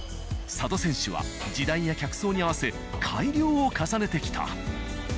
佐渡選手は時代や客層に合わせ改良を重ねてきた。